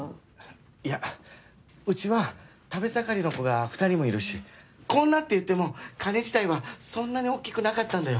いやうちは食べ盛りの子が２人もいるしこんなっていってもカニ自体はそんなにおっきくなかったんだよ。